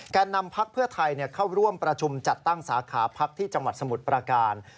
นำพักเพื่อไทยเข้าร่วมประชุมจัดตั้งสาขาพักที่จังหวัดสมุทรประการ